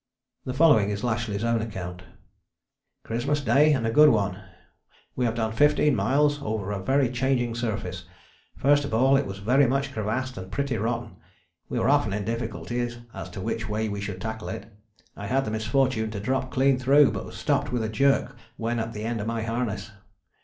[The following is Lashly's own account: "Christmas Day and a good one. We have done 15 miles over a very changing surface. First of all it was very much crevassed and pretty rotten; we were often in difficulties as to which way we should tackle it. I had the misfortune to drop clean through, but was stopped with a jerk when at the end of my harness.